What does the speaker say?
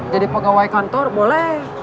jadi pegawai kantor boleh